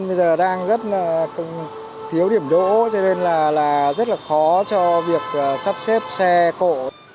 bây giờ đang rất thiếu điểm đỗ cho nên là rất là khó cho việc sắp xếp xe cổ